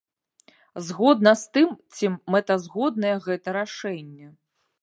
Згодна з тым, ці мэтазгоднае гэта рашэнне.